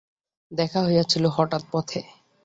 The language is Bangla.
দেখা হইয়াছিল হঠাৎ, পথে!